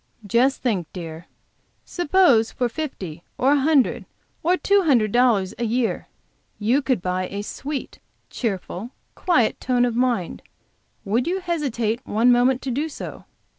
Just think, dear, suppose for fifty or a hundred or two hundred dollars a year you could buy a sweet, cheerful, quiet tone of mind, would you hesitate one moment to do so?